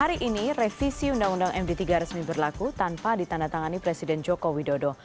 hari ini revisi undang undang md tiga resmi berlaku tanpa ditandatangani presiden joko widodo